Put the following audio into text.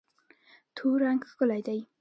تور رنګ ښکلی دی.